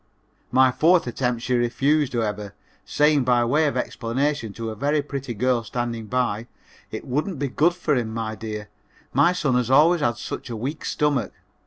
My fourth attempt she refused, however, saying by way of explanation to a very pretty girl standing by, "It wouldn't be good for him, my dear; my son has always had such a weak stomach.